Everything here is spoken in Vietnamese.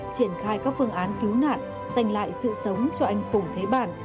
triển khai các phương án cứu nạn dành lại sự sống cho anh phùng thế bản